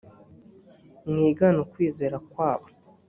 mwigane ukwizera kwabo